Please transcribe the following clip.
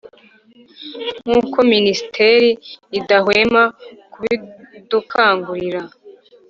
nkuko minisiteli idahwema kubidukangurira.